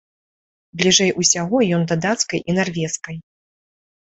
Бліжэй усяго ён да дацкай і нарвежскай.